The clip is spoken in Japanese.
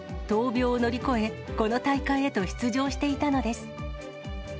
闘病を乗り越え、この大会へと出場していたのです。